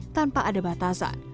tanpa ada batasan